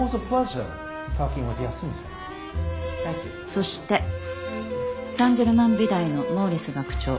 そしてサンジェルマン美大のモーリス学長。